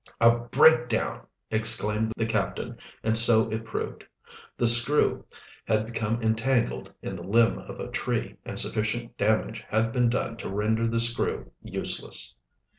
"A breakdown!" exclaimed the captain, and so it proved. The screw had become entangled in the limb of a tree, and sufficient damage had been done to render the screw useless.